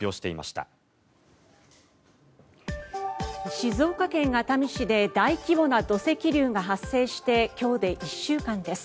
静岡県熱海市で大規模な土石流が発生して今日で１週間です。